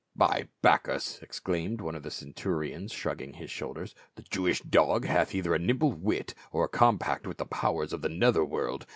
"By Bacchus!" exclaimed one of the centurions shrugging his shoulders. " The Jewish dog hath either a nimble wit or a compact with the powers of the nether world.